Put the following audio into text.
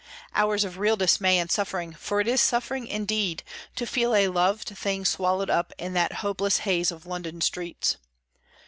Hours of real dismay and suffering for it is suffering, indeed, to feel a loved thing swallowed up in that hopeless haze of London streets.